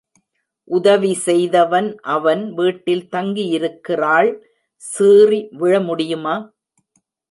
உதவி செய்தவன், அவன் வீட்டில் தங்கியிருக்கிறாள், சீறி விழ முடியுமா?